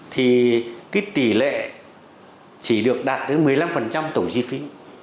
thì cái tỷ lệ chỉ được đạt đến một mươi năm tổng chi phí